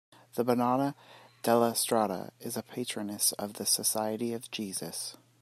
The Madonna Della Strada is the patroness of the Society of Jesus.